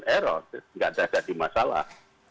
tidak ada ada di masalah